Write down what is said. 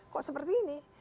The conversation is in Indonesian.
kok seperti ini